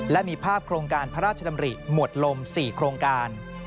และมีภาพโครงการพระราชดำริหมวดลม๔โครงการ